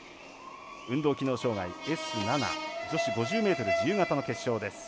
運動機能障がいＳ７女子５０ｍ自由形の決勝です。